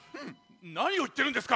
なにをいってるんですか！